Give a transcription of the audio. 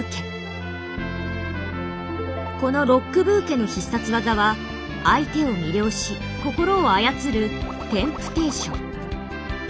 このロックブーケの必殺技は相手を魅了し心を操る「テンプテーション」。